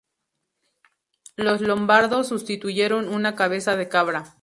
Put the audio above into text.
Los lombardos sustituyeron una cabeza de cabra.